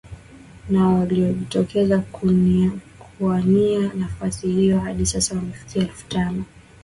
na waliojitokeza kuania nafasi hiyo hadi sasa wamefikia elfu tano